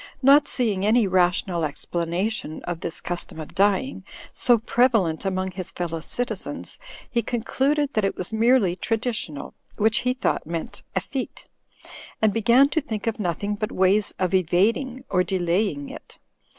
Not seeing any rational explanation of this custom of dying, so prevalent among his fellow citizens, he concluded that it was merely traditional (which he thought meant "effete"), and began to think of nothing but ways of evading or delaying it.